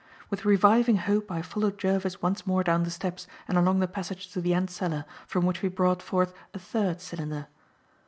With reviving hope I followed Jervis once more down the steps and along the passage to the end cellar, from which we brought forth a third cylinder.